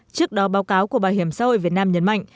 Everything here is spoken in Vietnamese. trước đó báo cáo của bảo hiểm xã hội việt nam nhấn mạnh